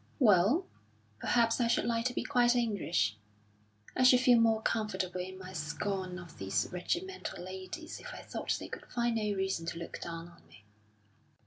"Well, perhaps I should like to be quite English. I should feel more comfortable in my scorn of these regimental ladies if I thought they could find no reason to look down on me."